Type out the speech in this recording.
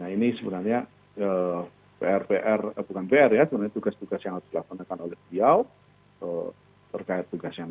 ini sebenarnya pr pr bukan pr ya sebenarnya tugas tugas yang sudah menekan oleh biau terkait tugasnya